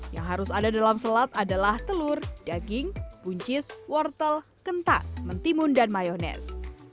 yang harus ada dalam selat adalah telur daging buncis wortel kentang mentimun dan mayonis